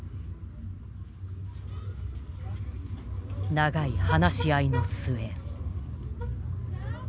長い話し合いの末。